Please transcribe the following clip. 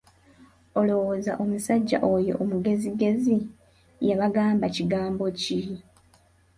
Olowooza omusajja oyo omugezigezi yabagamba kigambo ki?